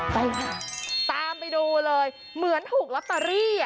ไปค่ะตามไปดูเลยเหมือนถูกลอตเตอรี่